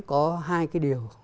có hai cái điều